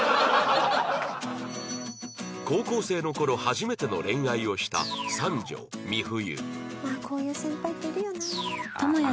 高校生の頃初めての恋愛をした三女美冬